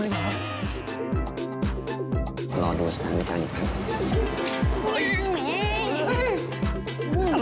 รอดูสถานการณ์ครับ